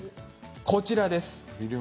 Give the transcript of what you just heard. こちらです。